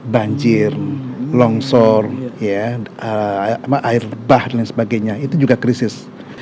banjir longsor air bah dan sebagainya itu juga krisis